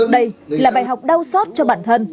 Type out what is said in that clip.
đây là bài học đau sót cho bản thân